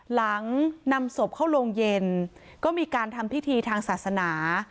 หลังนำศพเข้าโรงเย็นก็มีการทำพิธีทางศาสนา